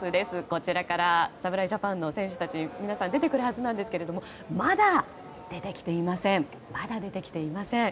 こちらから侍ジャパンの選手たち皆さん、出てくるはずですけどもまだ出てきていません。